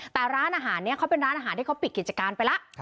แต่ร้านอาหารนี้เขาเป็นร้านอาหารที่เขาปิดกิจการไปแล้ว